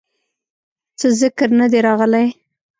څۀ ذکر نۀ دے راغلے